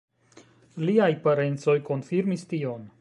Liaj parencoj konfirmis tion.